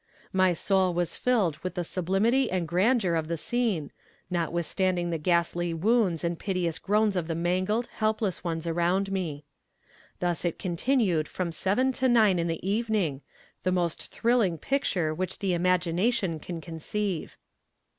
My soul was filled with the sublimity and grandeur of the scene, notwithstanding the ghastly wounds and piteous groans of the mangled, helpless ones around me. Thus it continued from seven to nine in the evening, the most thrilling picture which the imagination can conceive.